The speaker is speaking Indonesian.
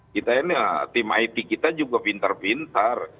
kita ini tim it kita juga pinter pinter